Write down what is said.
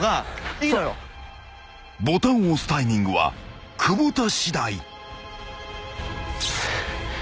［ボタンを押すタイミングは久保田しだい］